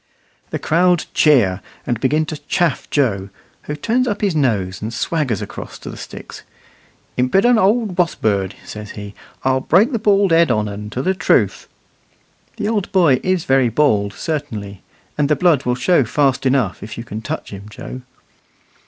The crowd cheer, and begin to chaff Joe, who turns up his nose and swaggers across to the sticks. "Imp'dent old wosbird!" says he; "I'll break the bald head on un to the truth." The old boy is very bald, certainly, and the blood will show fast enough if you can touch him, Joe.